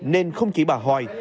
nên không chỉ bà hoài